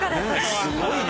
すごいね。